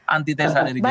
anti tesan dari jokowi